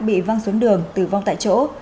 bị văng xuống đường tử vong tại chỗ